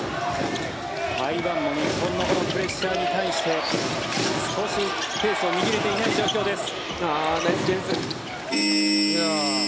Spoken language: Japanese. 台湾も日本のプレッシャーに対して少しペースを握れていない状況です。